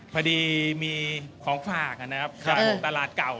พอดีมีของฝากนะครับจากตลาดเก่า